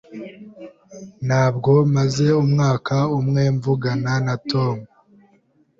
Ntabwo maze umwaka umwe mvugana na Tom.